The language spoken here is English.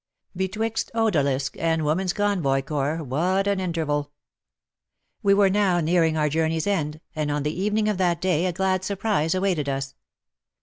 Betwixt Odalisque and Women's Convoy Corps what an interval ! We were now nearing our journey's end, and on the evening of that day a glad surprise awaited us.